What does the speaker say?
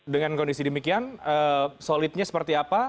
dengan kondisi demikian solidnya seperti apa